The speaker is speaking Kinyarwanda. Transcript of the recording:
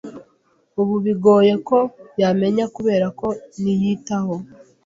ubu bigoye ko yamenya kubera ko niyitaho